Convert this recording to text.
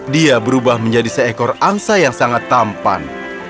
dia berubah menjadi seekor angsa yang sangat tampan